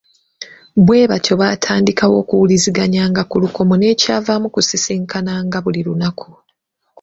Bwe batyo baatandikawo okuwuliziganya ku lukomo nekyavaamu kusisinkananga buli lunaku.